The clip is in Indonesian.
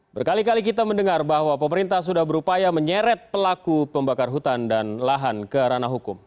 berkali kali kita mendengar bahwa pemerintah sudah berupaya menyeret pelaku pembakar hutan dan lahan ke ranah hukum